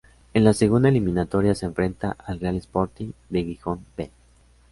En la segunda eliminatoria se enfrenta al Real Sporting de Gijón "B".